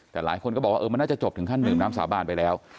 แต่หลายคนก็บอกว่ามันน่าจะจบถึงขั้นดื่มน้ำสาบานไปแล้ว